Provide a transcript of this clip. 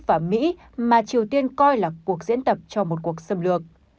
và mỹ mà triều tiên coi là cuộc diễn tập cho một cuộc xâm lược